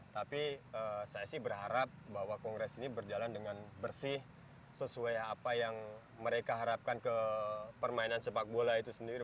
tapi saya sih berharap bahwa kongres ini berjalan dengan bersih sesuai apa yang mereka harapkan ke permainan sepak bola itu sendiri